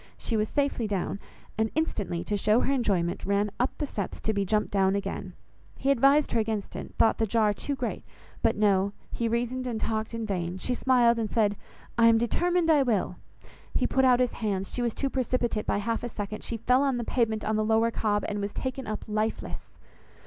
She was safely down, and instantly, to show her enjoyment, ran up the steps to be jumped down again. He advised her against it, thought the jar too great; but no, he reasoned and talked in vain, she smiled and said, "I am determined I will:" he put out his hands; she was too precipitate by half a second, she fell on the pavement on the Lower Cobb, and was taken up lifeless!